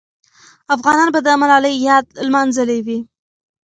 افغانان به د ملالۍ یاد لمانځلې وي.